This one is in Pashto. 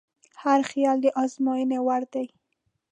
هر خیال د ازموینې وړ دی.